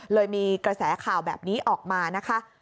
เลยมีกระแสข่าวแบบนี้ออกมานะคะ